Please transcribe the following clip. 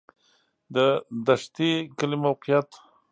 د دشټي کلی موقعیت